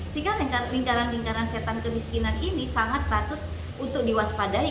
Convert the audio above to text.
sehingga lingkaran lingkaran setan kemiskinan ini sangat patut untuk diwaspadai